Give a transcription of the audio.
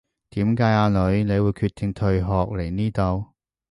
點解阿女你會決定退學嚟呢度